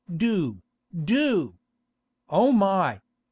Do, do! Oh my!